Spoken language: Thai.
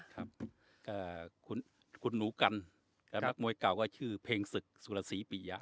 ครับคุณหนูกันนักมวยเก่าก็ชื่อเพลงศึกสุรศรีปียะ